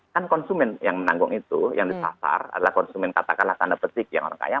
kan konsumen yang menanggung itu yang disasar adalah konsumen katakanlah tanda petik yang orang kaya